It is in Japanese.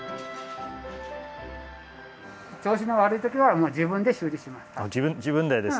調子の悪い時は自分で修理します。